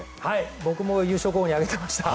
僕も優勝候補に挙げていました。